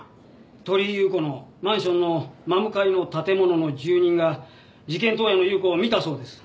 鳥居優子のマンションの真向かいの建物の住人が事件当夜の優子を見たそうです。